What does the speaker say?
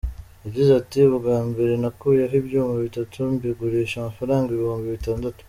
Yagize ati “Ubwa mbere nakuyeho ibyuma bitatu mbigurisha amafaranga ibihumbi bitandatu.